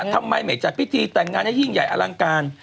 ทำไมไม่จัดพิธีแต่งงานให้ยิ่งใหญ่อลังการ